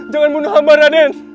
jangan bunuh hamba raden